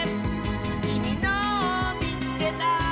「きみのをみつけた！」